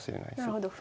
なるほど。